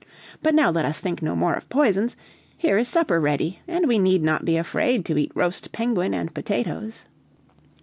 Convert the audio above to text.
But now let us think no more of poisons; here is supper ready and we need not be afraid to eat roast penguin and potatoes."